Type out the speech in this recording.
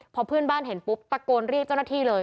พอเพื่อนบ้านเห็นปุ๊บตะโกนเรียกเจ้าหน้าที่เลย